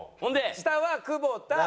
下は久保田。